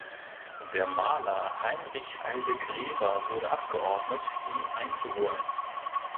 Der Maler Heinrich Aldegrever wurde abgeordnet, ihn einzuholen.